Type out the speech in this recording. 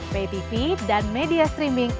ptv dan media streaming